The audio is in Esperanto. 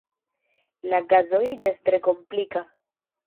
La kazo iĝas tre komplika.